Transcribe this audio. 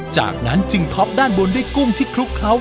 จากนั้นจึงท็อปด้านบนด้วยกุ้งที่คลุกเคล้า